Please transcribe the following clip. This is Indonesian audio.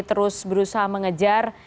terus berusaha mengejar